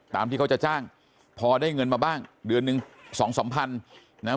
ที่เขาจะจ้างพอได้เงินมาบ้างเดือนหนึ่งสองสามพันนะฮะ